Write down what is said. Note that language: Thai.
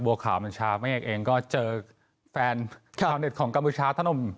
บัวขาวบัญชาแม่งเอกเองก็เจอแฟนขาวเด็ดของกัมพูชาทะนม